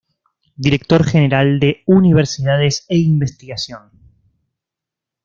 Director General de Universidades e Investigación.